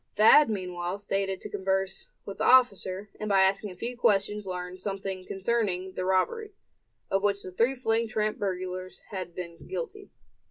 Thad meanwhile stated to converse with the officer, and by asking a few questions learned something concerning the robbery, of which the three fleeing tramp burglars had been guilty.